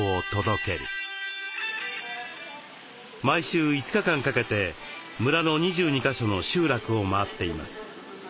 毎週５日間かけて村の２２か所の集落を回っています。